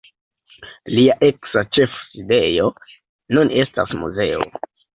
Lia eksa ĉefsidejo nun estas muzeo.